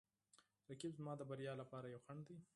رقیب زما د بریا لپاره یو خنډ دی